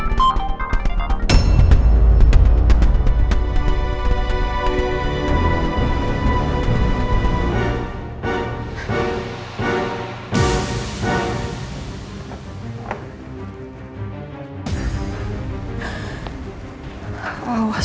hidup lo juga akan hancur